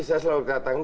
saya selalu katakan